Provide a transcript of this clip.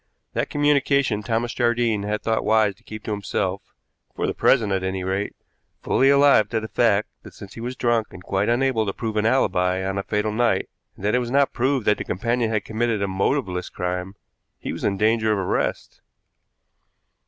That communication Thomas Jardine had thought wise to keep to himself for the present, at any rate fully alive to the fact that, since he was drunk and quite unable to prove an alibi on the fatal night, and that it was not proved that the companion had committed a motiveless crime, he was in danger of arrest.